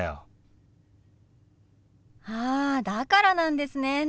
ああだからなんですね。